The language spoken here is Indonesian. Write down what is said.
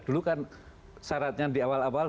dulu kan syaratnya di awal awal